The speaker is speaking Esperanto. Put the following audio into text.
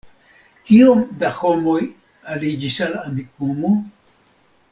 Kiom da homoj aliĝis al Amikumu?